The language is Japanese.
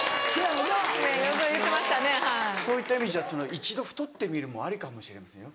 そういった意味じゃ一度太ってみるもありかもしれませんよ